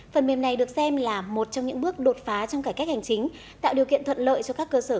phần mềm này được xem là một trong những bước đột phá trong cải cách hành chính tạo điều kiện thuận lợi cho các cơ sở